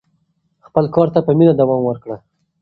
خپل کار ته په مینه دوام ورکړه.